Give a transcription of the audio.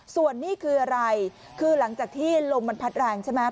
ส่วนนี่คืออะไรคือหลังจากที่ลมมันพัดแรงใช่ไหม